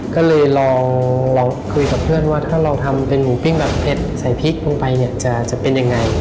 ก็เลยลองคุยกับเพื่อนว่าถ้าเราทำเป็นหมูปิ้งแบบเผ็ดใส่พริกลงไปเนี่ยจะเป็นยังไง